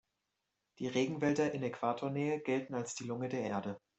Die Regenwälder in Äquatornähe gelten als die Lunge der Erde.